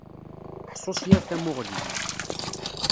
Ḥṣu s yir tamuɣli.